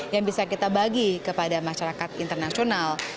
yang bisa kita bagi kepada masyarakat internasional